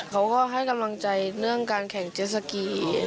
เขาก็ให้กำลังใจเรื่องการแค่งรวมแห่งเจสกี